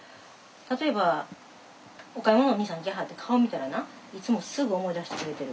例えばお買い物のおにいさん来はって顔見たらないつもすぐ思い出してくれてる。